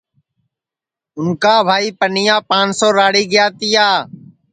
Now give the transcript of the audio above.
اُن کا بھائی پنیا پانسو راݪی گا تیا